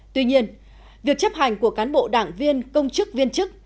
tuy nhiên việc chấp hành của cán bộ đảng viên công chức viên chức